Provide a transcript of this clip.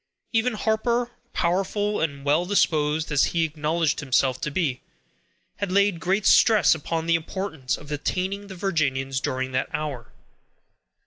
Even Harper, powerful and well disposed as he acknowledged himself to be, had laid great stress upon the importance of detaining the Virginians during that hour.